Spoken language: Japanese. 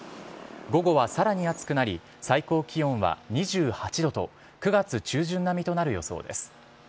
午後はさらに暑くなり、最高気温は２８度と、９月中旬並みとなる予想です。